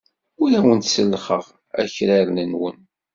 Ur awen-sellxeɣ akraren-nwen.